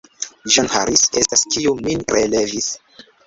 John Harris estas, kiu min relevis.